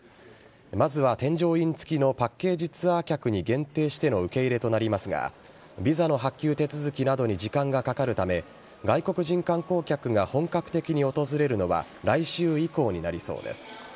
まずは添乗員付きのパッケージツアー客に限定しての受け入れとなりますがビザの発給手続きなどに時間がかかるため外国人観光客が本格的に訪れるのは来週以降になりそうです。